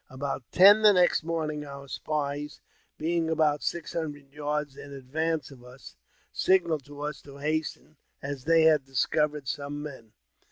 About ten the next morning, our spies, being about six hundred yards in advance of us, signalled to us to hasten, as they had discovered some men.